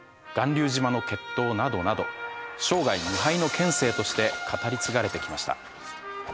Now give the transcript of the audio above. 巌流島の決闘などなど生涯無敗の剣聖として語り継がれてきました。